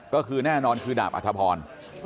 ก็คือแน่นอนคือดาบอัธพร